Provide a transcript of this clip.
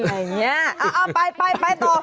อะไรแยะเอาไปต่อ